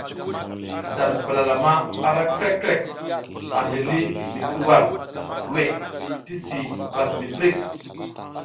Dar palalama ara krǝc krǝc angi li mi pǝɗwar weʼe tisi pas miprik.